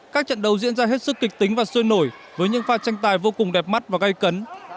các trận đấu diễn ra hết sức kịch tính và sôi nổi với những pha tranh tài vô cùng đẹp mắt và gây cấn